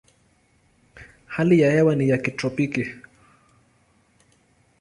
Hali ya hewa ni ya kitropiki.